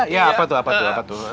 ya apa tuh apa tuh apa tuh